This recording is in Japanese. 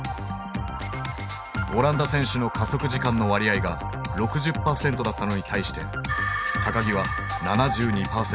オランダ選手の加速時間の割合が６０％だったのに対して木は７２％。